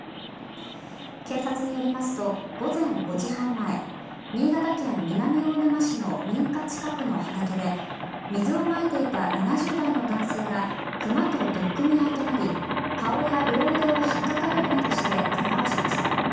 警察によりますと、午前５時半前新潟県南魚沼市の民家近くの畑で水をまいていた７０代の男性が熊と取っ組み合いとなり顔や両腕をひっかかれるなどして怪我をしました。